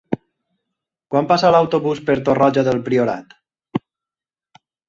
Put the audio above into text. Quan passa l'autobús per Torroja del Priorat?